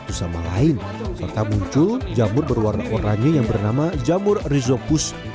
kita ini fermentasi alami mas